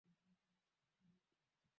Duka lake ni safi